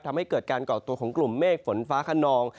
ทำให้เกิดการก่อตัวของกลุ่มเมฆฝนฟ้าขนอง